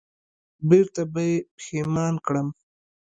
بېرته به یې پښېمان کړم